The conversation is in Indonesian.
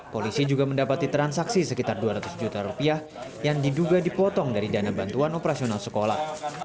polisi juga mendapati transaksi sekitar dua ratus juta rupiah yang diduga dipotong dari dana bantuan operasional sekolah